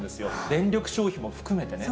電力消費も含めてね。